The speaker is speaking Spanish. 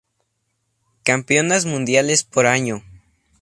Campeonas mundiales por año.